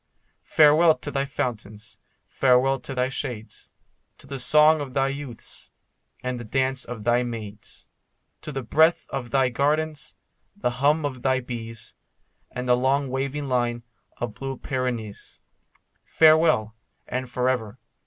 Farewell to thy fountains, farewell to thy shades, To the song of thy youths, and the dance of thy maids, To the breath of thy gardens, the hum of thy bees, And the long waving line of the blue Pyrenees. Farewell, and for ever.